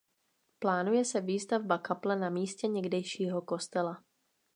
Plánuje se výstavba kaple na místě někdejšího kostela.